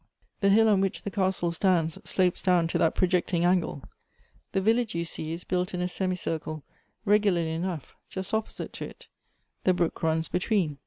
The hill on which the castle stands, slopes down to that projecting angle. The village, you see, is built in a semicircle, regu larly enough, just opposite to it. The brook runs between.